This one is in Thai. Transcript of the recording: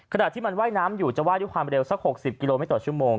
ขณะที่มันว่ายน้ำอยู่จะไห้ด้วยความเร็วสัก๖๐กิโลเมตรต่อชั่วโมง